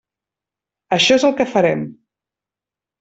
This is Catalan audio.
Això és el que farem.